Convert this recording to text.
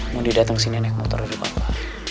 mondi dateng sini naik motor dari papa